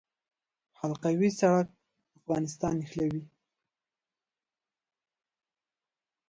د حلقوي سړک افغانستان نښلوي